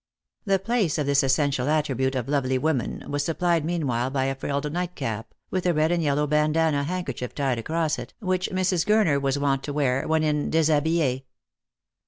The place of this essential attribute of lovely woman ■was supplied meanwhile by a frilled nightcap, with a red and yellow bandannah handkerchief tied across it, which Mrs. Gurner was wont to wear when in deshabille.